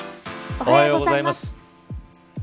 おはようございます。